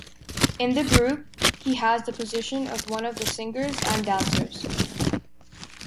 In the group, he has the position of one of the singers and dancers.